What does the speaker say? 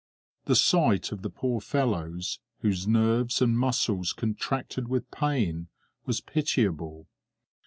The sight of the poor fellows, whose nerves and muscles contracted with pain, was pitiable.